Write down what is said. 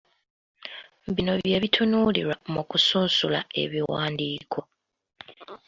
Bino bye bitunuulirwa mu kusunsula ebiwandiiko.